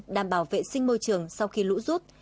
đảm bảo vệ sinh môi trường sau khi lũ rút